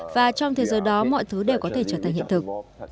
và trong thế giới đó mọi thứ đều có thể trở thành hiện thực